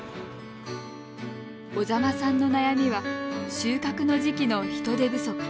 小座間さんの悩みは収穫の時期の人手不足。